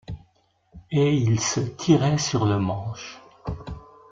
et il se tirait sur le manche.